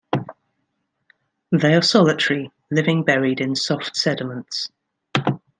They are solitary, living buried in soft sediments.